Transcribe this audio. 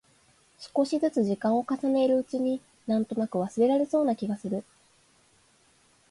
少しづつ時間を重ねるうちに、なんとなく忘れられそうな気がする。